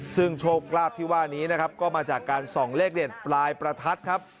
ซึ่งโชคลาภที่ว่านี้นะครับก็มาจากการส่องเลขเด่นปลายประทัดครับ